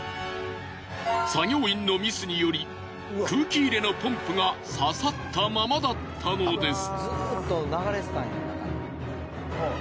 作業員のミスにより空気入れのポンプが刺さったままだったのです！